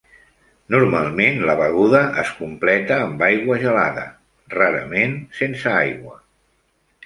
Normalment la beguda es completa amb aigua gelada, rarament sense aigua.